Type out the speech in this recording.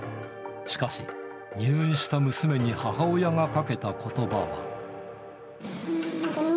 しかし、入院した娘に母親がかけたことばは。